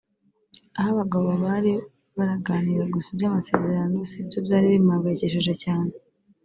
Aho abagabo bari baraganira gusa iby’amasezerano sibyo byari bimpamgayikishije cyane